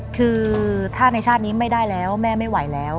คือถ้าในชาตินี้ไม่ได้แล้วแม่ไม่ไหวแล้ว